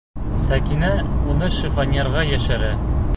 Сәкинә уны шифоньерға йәшерә.